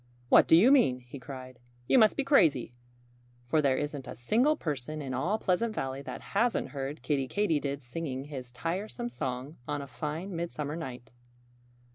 "What do you mean?" he cried. "You must be crazy! For there isn't a single person in all Pleasant Valley that hasn't heard Kiddie Katydid singing his tiresome song on a fine midsummer night."